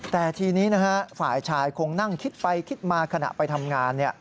แต่ทีนี้นะฮะฝ่ายชายคงนั่งคิดไปคิดมาขณะไปทำงาน